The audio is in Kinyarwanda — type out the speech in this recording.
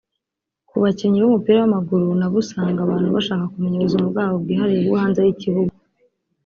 Ku bakinnyi b’umupira w’amaguru nabo usanga abantu bashaka kumenya ubuzima bwabo bwihariye bwo hanze y’ikibugu